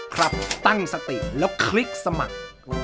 ครับตั้งสติแล้วคลิกสมัคร